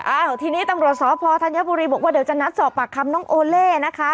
อ้าวทีนี้ตำรวจสพธัญบุรีบอกว่าเดี๋ยวจะนัดสอบปากคำน้องโอเล่นะคะ